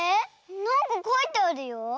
なんかかいてあるよ。